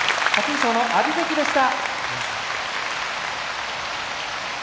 優勝の阿炎関でした。